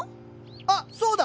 あっそうだ。